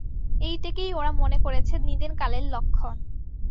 এইটেকেই ওরা মনে করেছে নিদেন কালের লক্ষণ।